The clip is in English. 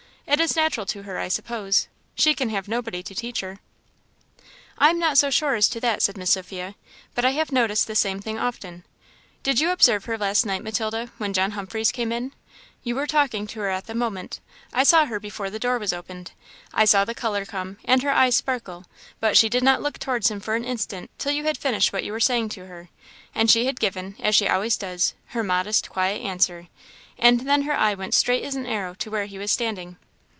It is natural to her, I suppose; she can have nobody to teach her." "I am not so sure as to that," said Miss Sophia; "but I have noticed the same thing often. Did you observe her last night, Matilda, when John Humphreys came in? you were talking to her at the moment; I saw her before the door was opened; I saw the colour come, and her eyes sparkle, but she did not look towards him for an instant, till you had finished what you were saying to her, and she had given, as she always does, her modest, quiet answer; and then her eye went straight as an arrow to where he was standing."